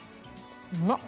うまっ。